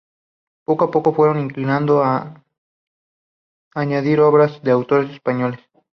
Poco a poco se fueron inclinando a añadir obras de autores españoles.